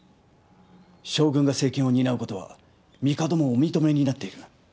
将軍が政権を担うことはみかどもお認めになっている。